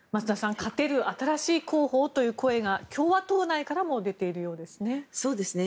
勝てる新しい候補をという声が共和党内からも出ているようですね。